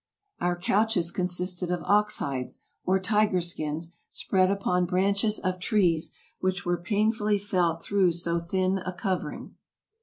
Our couches consisted of ox hides or tiger skins spread upon branches of trees, which were painfully felt through so thin a covering.